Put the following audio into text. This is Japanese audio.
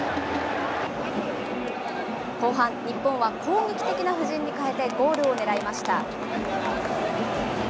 後半、日本は攻撃的な布陣に変えて、ゴールを狙いました。